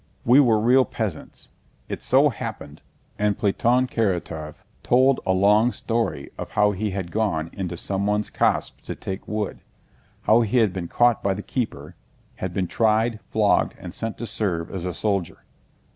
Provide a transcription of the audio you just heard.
We were real peasants. It so happened..." And Platón Karatáev told a long story of how he had gone into someone's copse to take wood, how he had been caught by the keeper, had been tried, flogged, and sent to serve as a soldier.